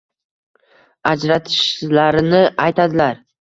ajratishlarini aytadilar.